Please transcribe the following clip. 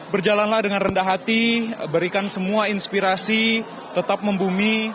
berjalanlah dengan rendah hati berikan semua inspirasi tetap membumi